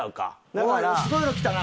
おいすごいの来たな。